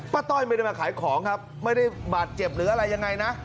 ต้อยไม่ได้มาขายของครับไม่ได้บาดเจ็บหรืออะไรยังไงนะ